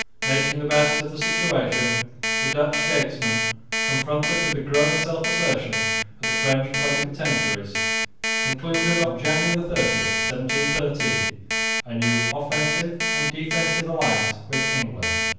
Making the best of the situation, the Dutch statesmen, confronted with the growing self assertion of the French plenipotentiaries, concluded, on January 30, 1713, a new offensive and defensive alliance with England.